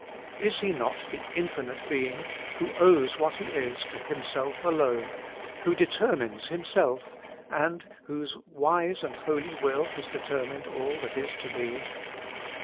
Is He not the Infinite Being, who owes what He is to Himself alone, who determines Himself, and whose wise and holy will has deter mined all that is to be